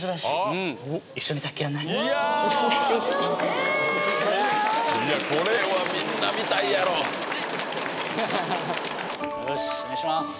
えぇ⁉いやこれはみんな見たいやろよしお願いします